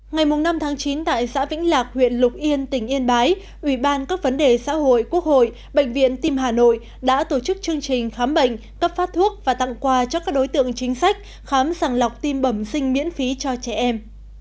ngày năm tháng chín tại xã vĩnh lạc huyện lục yên tỉnh yên bái ủy ban các vấn đề xã hội quốc hội bệnh viện tim hà nội đã tổ chức chương trình khám bệnh cấp phát thuốc và tặng quà cho các đối tượng chính sách khám sàng lọc tim bẩm sinh miễn phí cho trẻ em